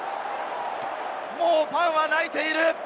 もうファンは泣いている。